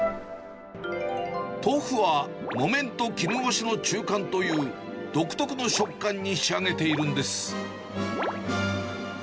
豆腐は木綿と絹ごしの中間という、独特の食感に仕上げているんです。